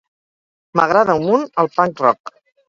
M'agrada un munt el punk-rock.